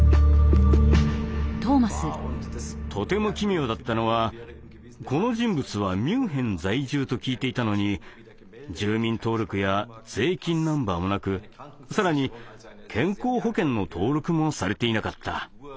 とても奇妙だったのはこの人物はミュンヘン在住と聞いていたのに住民登録や税金ナンバーもなく更に健康保険の登録もされていなかった。